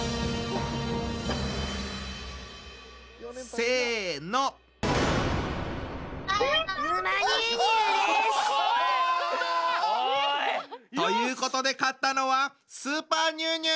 せの。ということで勝ったのはスーパーニュウニュウ！